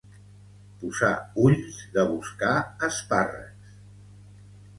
Posar ulls de buscar espàrrecs